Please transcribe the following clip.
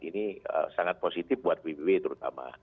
ini sangat positif buat pbb terutama